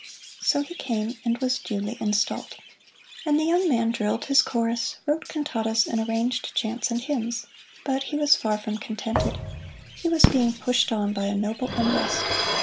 So he came and was duly installed. And the young man drilled his chorus, wrote cantatas, and arranged chants and hymns. But he was far from contented. He was being pushed on by a noble unrest.